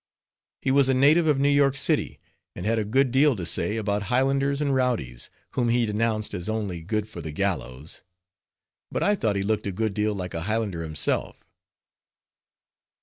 He was a native of New York city, and had a good deal to say about highlanders, and rowdies, whom he denounced as only good for the gallows; but I thought he looked a good deal like a highlander himself.